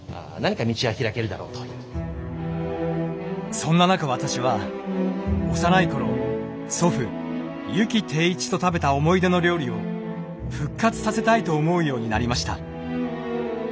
そんな中私は幼い頃祖父・湯木貞一と食べた思い出の料理を復活させたいと思うようになりました。